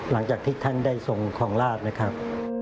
หลังจากที่ท่านได้ทรงของราชนะครับ